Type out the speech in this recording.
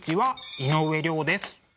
井上涼です。